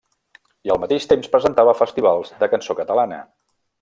I al mateix temps presentava festivals de cançó catalana.